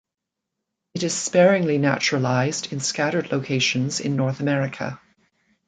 It is sparingly naturalised in scattered locations in North America.